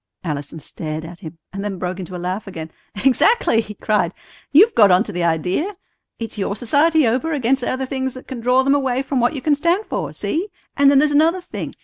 Allison stared at him, and then broke into a laugh again. "Exactly," he cried; "you've got onto the idea. It's your society over against the other things that can draw them away from what you stand for. See? And then there's another thing.